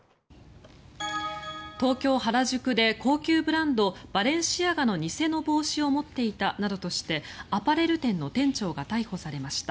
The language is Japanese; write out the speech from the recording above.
東京・原宿で高級ブランドバレンシアガの偽の帽子を持っていたなどとしてアパレル店の店長が逮捕されました。